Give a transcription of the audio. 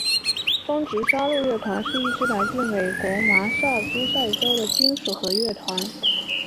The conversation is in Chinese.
终极杀戮乐团是一支来自美国麻萨诸塞州的金属核乐团。